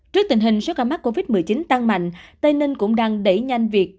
trước tình hình số ca mắc covid một mươi chín tăng mạnh tây ninh cũng đang đẩy nhanh việc